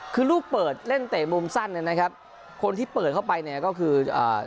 คือลูกเปิดเล่นเตะมุมสั้นคนที่เปิดเข้าไปก็คือ